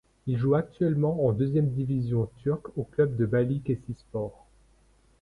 Il joue actuellement en deuxième division turc au club de Balıkesirspor.